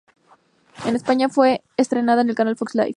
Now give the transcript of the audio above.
En España fue estrenada en el canal Fox Life.